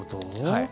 はい。